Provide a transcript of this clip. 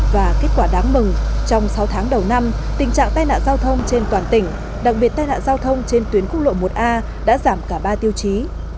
và kết quả đáng mừng trong sáu tháng đầu năm tình trạng tai nạn giao thông trên toàn tỉnh đặc biệt tai nạn giao thông trên tuyến quốc lộ một a đã giảm cả ba tiêu chí